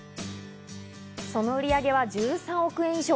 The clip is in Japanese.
その売り上げは１３億円以上。